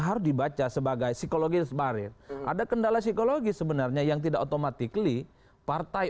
harus dibaca sebagai psikologis barir ada kendala psikologis sebenarnya yang tidak otomatik li partai